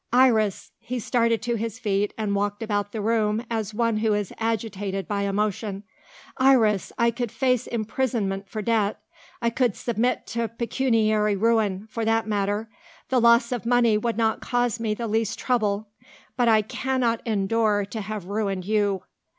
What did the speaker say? Iris!" he started to his feet and walked about the room as one who is agitated by emotion "Iris! I could face imprisonment for debt, I could submit to pecuniary ruin, for that matter; the loss of money would not cause me the least trouble, but I cannot endure to have ruined you."